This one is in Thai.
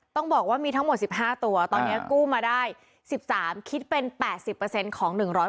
ต้องบอกว่ามีทั้งหมด๑๕ตัวตอนนี้กู้มาได้๑๓คิดเป็น๘๐ของ๑๕